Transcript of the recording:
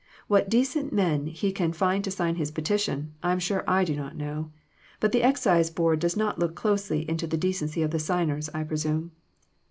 What decent men he can find to sign his petition, I'm sure I do not know; but the Excise Board does not look closely into the decency of the signers, I presume.